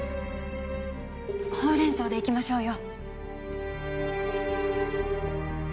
「ほうれんそう」でいきましょうよ。